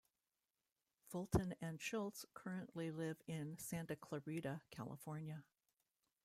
Fulton and Schultz currently live in Santa Clarita, California.